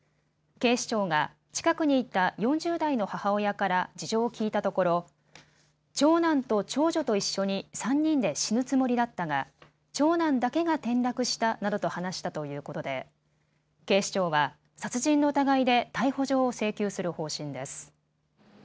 警視庁が近くにいた４０代の母親から事情を聴いたところ長男と長女と一緒に３人で死ぬつもりだったが長男だけが転落したなどと話したということで警視庁は殺人の疑いで逮捕状を請求する方針です。